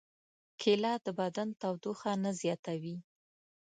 کېله د بدن تودوخه نه زیاتوي.